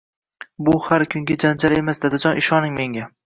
Bu har kungi janjal emas, dadajon, ishoning menga